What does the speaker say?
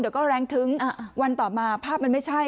เดี๋ยวก็แรงทึ้งวันต่อมาภาพมันไม่ใช่